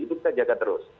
itu kita jaga terus